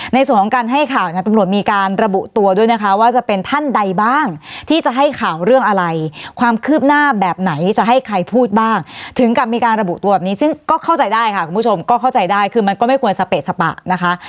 ในส่วนของการให้ข่าวเนี่ยตำรวจมีการระบุตัวด้วยนะคะว่าจะเป็นท่านใดบ้างที่จะให้ข่าวเรื่องอะไรความคืบหน้าแบบไหนจะให้ใครพูดบ้างถึงกับมีการระบุตัวแบบนี้ซึ่งก็เข้าใจได้ค่ะคุณผู้ชมก็เข้าใจได้คือมันก็ไม่ควรสเปะสปะนะคะ